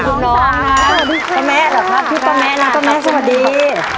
ต้องแม่เหรอครับพี่ต้องแม่น้องต้องแม่สวัสดี